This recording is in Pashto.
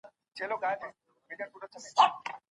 که د شپې ښه خوب وکړې، نو سهار تازه احساس کوې.